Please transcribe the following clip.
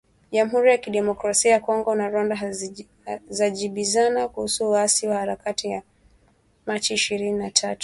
Jamhuri ya Kidemokrasia ya Kongo na Rwanda zajibizana kuhusu waasi wa Harakati za Machi ishirini na tatu.